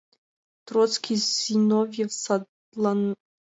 Троцкий, Зиновьев... садлан...